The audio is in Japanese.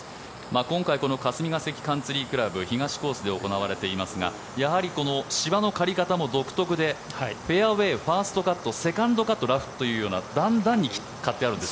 今回、霞ヶ関カンツリー倶楽部東コースで行われていますがやはりこの芝の刈り方も独特でフェアウェー、ファーストカットセカンドカット、ラフという段々に刈ってあるんです。